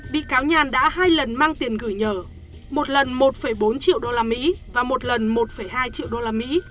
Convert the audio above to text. bị cáo nhàn đã hai lần mang tiền gửi nhờ một lần một bốn triệu usd và một lần một hai triệu usd